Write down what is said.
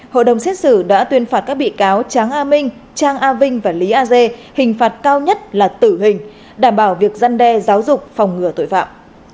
hội đồng xét xử đã tuyên phạt các bị cáo tráng a minh trang a vinh và lý a dê hình phạt cao nhất là tử hình đảm bảo việc dân đe giáo dục phòng ngừa tội phạm